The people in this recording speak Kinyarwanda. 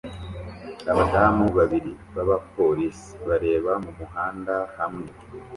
Abadamu babiri b'abapolisi bareba mu muhanda hamwe